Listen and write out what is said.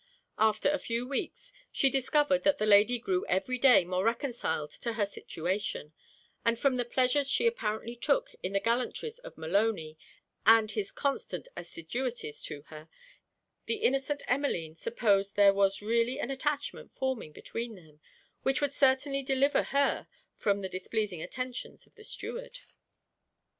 After a few weeks, she discovered that the lady grew every day more reconciled to her situation; and from the pleasures she apparently took in the gallantries of Maloney, and his constant assiduities to her, the innocent Emmeline supposed there was really an attachment forming between them, which would certainly deliver her from the displeasing attentions of the steward.